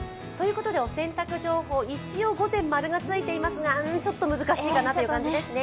お洗濯情報、一応、午前は○がついていますが、ちょっと難しいかなという感じですね。